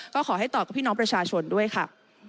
ก็ขอให้ตอบกับพี่น้องประชาชนด้วยค่ะ